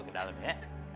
ke dalam ya